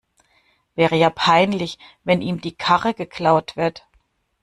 Wäre ja peinlich, wenn ihm die Karre geklaut wird.